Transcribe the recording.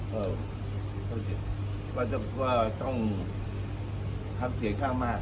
บ๊วยเพราะว่าต้องทำเสียค่ามากอะล่ะ